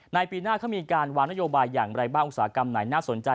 ปีหน้าเขามีการวางนโยบายอย่างไรบ้างอุตสาหกรรมไหนน่าสนใจ